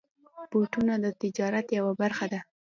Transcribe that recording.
بوټونه د تجارت یوه برخه ده.